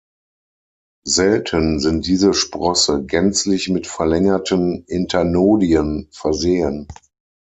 Selten sind diese Sprosse gänzlich mit verlängerten Internodien versehen.